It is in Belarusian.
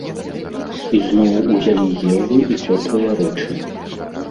Ізноў узялі ежу і цёплыя рэчы.